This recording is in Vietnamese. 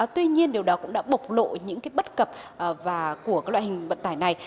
tuy nhiên điều đó cũng đã bộc lộ những bất cập của loại hình vận tải này